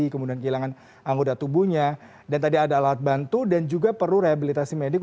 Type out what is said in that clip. kemudian kehilangan anggota tubuhnya dan tadi ada alat bantu dan juga perlu rehabilitasi medik